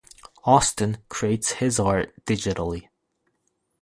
Austen creates his art digitally.